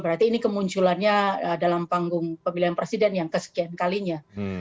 berarti ini kemunculannya dalam panggung pemilihan presiden yang kesekian kalinya